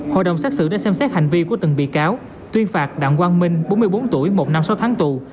hội đồng xét xử đã xem xét hành vi của từng bị cáo tuyên phạt đặng quang minh bốn mươi bốn tuổi một năm sáu tháng tù